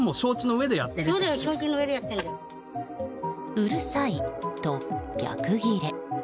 うるさい！と逆ギレ。